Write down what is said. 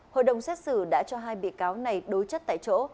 hội đồng xét xử đã cho hai bị cáo này đối chất tại chỗ